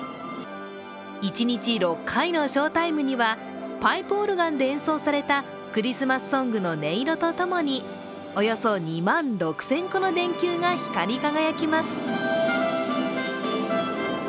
一日６回のショータイムには、パイプオルガンで演奏されたクリスマスソングの音色とともにおよそ２万６０００個の電球が光り輝きます。